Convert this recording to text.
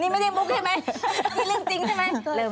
นี่ไม่ได้มุกใช่ไหมนี่เรื่องจริงใช่ไหม